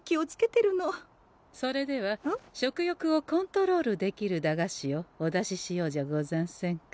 それでは食欲をコントロールできる駄菓子をお出ししようじゃござんせんか。